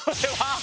あ！